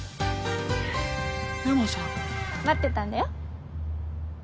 エマさん待ってたんだよ